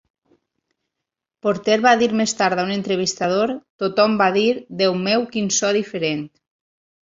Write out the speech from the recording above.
Porter va dir més tard a un entrevistador: Tothom va dir: "Déu meu, quin so diferent!"